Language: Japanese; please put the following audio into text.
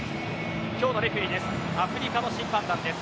今日のレフェリーです